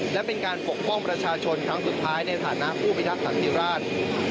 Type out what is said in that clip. และเป็นการปกป้องประชาชนครั้งสุดท้ายในฐานะผู้พิทักษันติราช